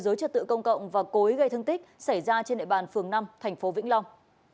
dối trật tự công cộng và cối gây thương tích xảy ra trên đệ bàn phường năm thành phố vĩnh long